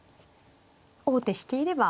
王手していれば。